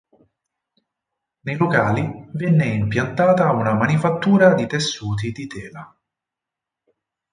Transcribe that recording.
Nei locali venne impiantata una manifattura di tessuti di tela.